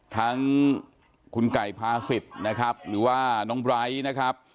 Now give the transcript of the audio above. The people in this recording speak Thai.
ทั้งคุณไก่พาศิษย์นะครับหรือว่าน้องไบร์ทนะครับ